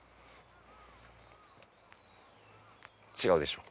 違うでしょう？